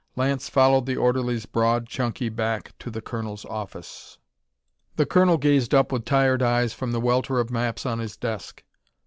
Lance followed the orderly's broad, chunky back to the colonel's office. The colonel gazed up with tired eyes from the welter of maps on his desk.